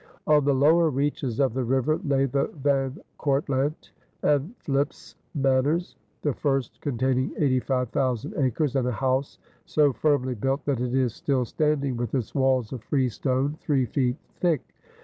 On the lower reaches of the river lay the Van Cortlandt and Philipse Manors, the first containing 85,000 acres and a house so firmly built that it is still standing with its walls of freestone, three feet thick.